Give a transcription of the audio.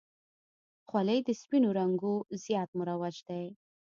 خولۍ د سپینو رنګو زیات مروج دی.